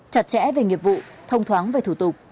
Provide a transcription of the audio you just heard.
chặt chẽ về nghiệp vụ thông thoáng về thủ tục